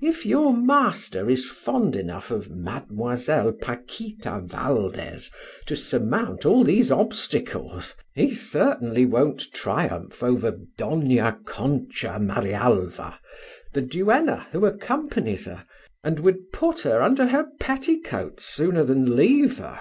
If your master is fond enough of Mademoiselle Paquita Valdes to surmount all these obstacles, he certainly won't triumph over Dona Concha Marialva, the duenna who accompanies her and would put her under her petticoats sooner than leave her.